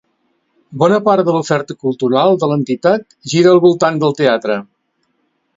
Bona part de l'oferta cultural de l'entitat gira al voltant del teatre.